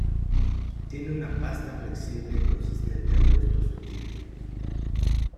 Tiene una pasta flexible y consistente al gusto sutil.